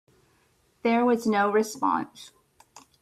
There was no response.